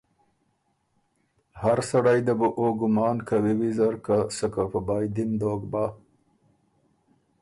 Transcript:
هر سړئ ده بو او ګمان کوی ویزر که سکه په پائدی م دوک بَۀ۔